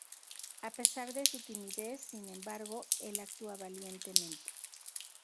A pesar de su timidez, sin embargo, el actúa valientemente.